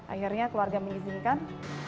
akhirnya keluarga mengizinkan